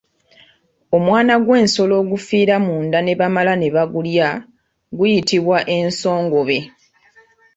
Omwana gw’ensolo ogufiira munda ne bamala ne bagulya guyitibwa Ensongobe.